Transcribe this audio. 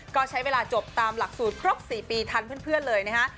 ก็ใช้เวลาจบตามหลักสูตรครบ๔ปีทันเพื่อนเลยนะฮะ